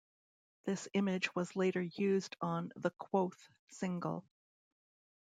This image was later used on the Quoth single.